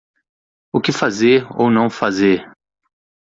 O que fazer ou não fazer